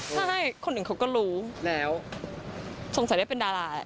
ใช่คนหนึ่งเขาก็รู้สงสัยได้เป็นดารา